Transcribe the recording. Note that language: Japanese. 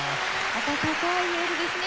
温かいエールですね。